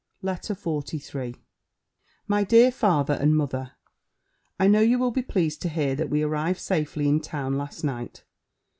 B. LETTER XLIII MY DEAR FATHER AND MOTHER, I know you will be pleased to hear that we arrived safely in town last night.